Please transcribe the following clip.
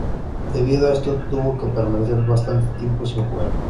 Debido a esto tuvo que permanecer bastante tiempo sin jugar.